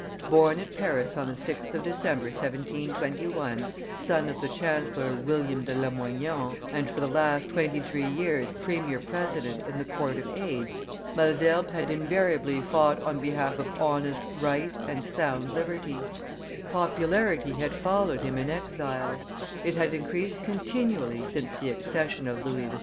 Born at Paris on the 6th of December, 1721, son of the chancellor William de Lamoignon, and for the last twenty three years premier president in the Court of Aids, Malesherbes had invariably fought on behalf of honest right and sound liberty; popularity had followed him in exile; it had increased continually since the accession of Louis XVI.